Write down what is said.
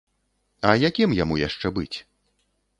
А якім яму яшчэ быць?